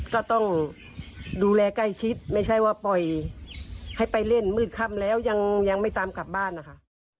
ก็ต้องดูแลใกล้ชิดไม่ใช่ว่าปล่อยให้ไปเล่นมืดค่ำแล้วยังไม่ตามกลับบ้านนะคะ